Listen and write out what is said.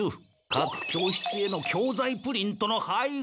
かく教室への教ざいプリントの配布！